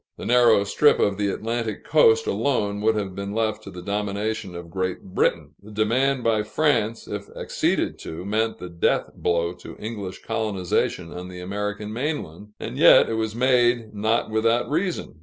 The narrow strip of the Atlantic coast alone would have been left to the domination of Great Britain. The demand made by France, if acceded to, meant the death blow to English colonization on the American mainland; and yet it was made not without reason.